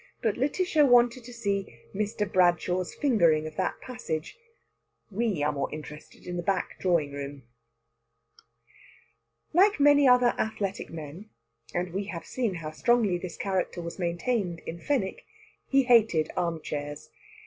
But Lætitia wanted to see Mr. Bradshaw's fingering of that passage. We are more interested in the back drawing room. Like many other athletic men and we have seen how strongly this character was maintained in Fenwick he hated armchairs.